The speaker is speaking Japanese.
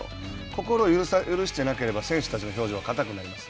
心を許してなければ選手たちの表情はかたくなります。